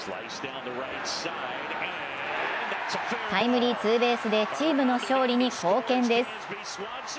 タイムリーツーベースでチームの勝利に貢献です。